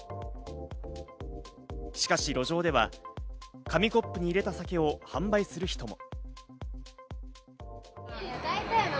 しかし路上では紙コップに入れた酒を販売する人も。